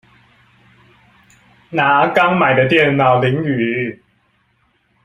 拿剛買的電腦淋雨